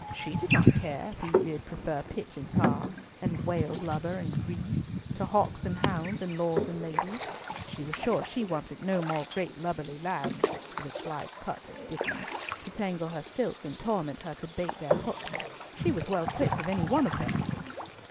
She did not care if he did prefer pitch and tar, and whale blubber and grease, to hawks and hounds, and lords and ladies. She was sure she wanted no more great lubberly lads—with a sly cut at Diccon—to tangle her silk, and torment her to bait their hooks. She was well quit of any one of them.